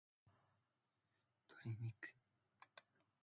鶏肉